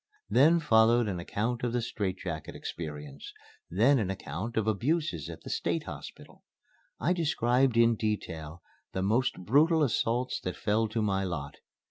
Then followed an account of the strait jacket experience; then an account of abuses at the State Hospital. I described in detail the most brutal assault that fell to my lot.